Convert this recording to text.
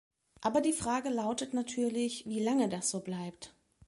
Aber die Frage lautet natürlich, wie lange das so bleibt.